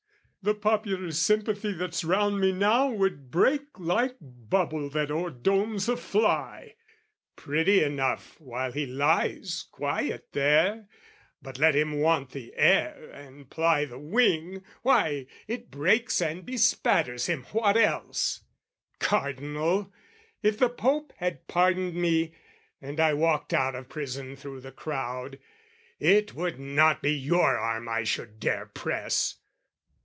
The popular sympathy that's round me now Would break like bubble that o'er domes a fly Pretty enough while he lies quiet there, But let him want the air and ply the wing, Why, it breaks and bespatters him, what else? Cardinal, if the Pope had pardoned me, And I walked out of prison through the crowd, It would not be your arm I should dare press!